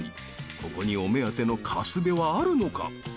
ここにお目当てのカスベはあるのか？